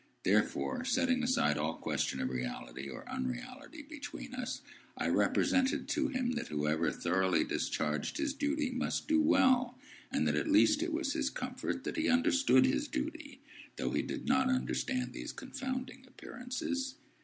Therefore, setting aside all question of reality or unreality between us, I represented to him that whoever thoroughly discharged his duty must do well, and that at least it was his comfort that he understood his duty, though he did not understand these confounding Appearances.